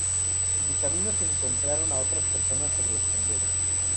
En el camino, se encontraron a otras personas sobre el sendero.